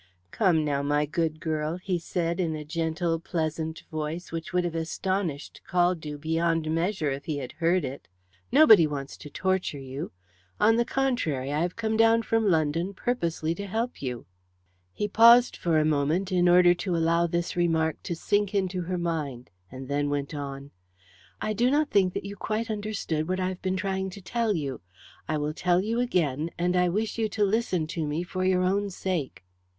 "Come now, my good girl," he said in a gentle pleasant voice which would have astonished Caldew beyond measure if he had heard it, "nobody wants to torture you. On the contrary, I have come down from London purposely to help you." He paused for a moment in order to allow this remark to sink into her mind and then went on: "I do not think that you quite understood what I have been trying to tell you. I will tell you again, and I wish you to listen to me for your own sake."